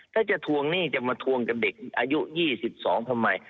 ถ้าจะทวงหนี้จะมาทวงกับเด็กอายุ๒๒ทำไม